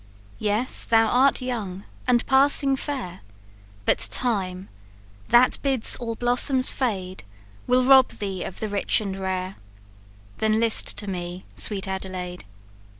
"Yes, thou art young, and passing fair; But time, that bids all blossoms fade, Will rob thee of the rich and rare; Then list to me, sweet Adelaide.